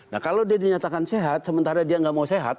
nah kalau dia dinyatakan sehat sementara dia nggak mau sehat